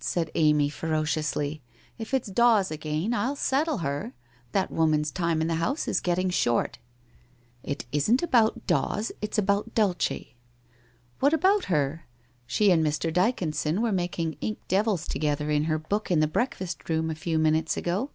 said Amy ferociously, * if it's Dawes again I'll settle her! That woman's time in the house is getting short. ...'* It isn't about Dawes, it's about Dulce.' 1 What about her ? She and Mr. Dyconson were mak ing ink devils together in her book in the breakfast room a few minutes ago